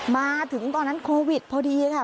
มาถึงตอนนั้นโควิดพอดีค่ะ